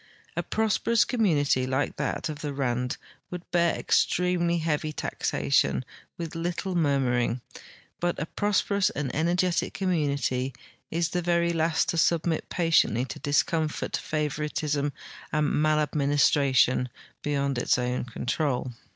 A prosperous community like that of the Rand Avould bear extremely heavy taxation Avith little murmuring; but a prosperous and energetic community is the very last to submit patiently to discomfort, favoritism, and maladministration be yond its OAvn control.